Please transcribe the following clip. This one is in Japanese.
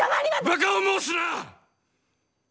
バカを申すな！